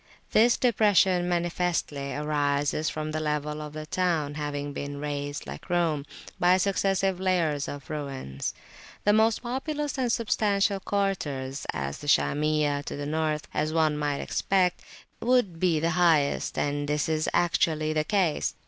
This depression manifestly arises from the level of the town having been raised, like Rome, by successive layers of ruins; the most populous and substantial quarters (as the Shamiyah to the north) would, we might expect, be the highest, and this is actually the case.